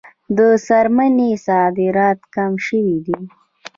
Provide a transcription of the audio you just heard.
د څرمنې صادرات کم شوي دي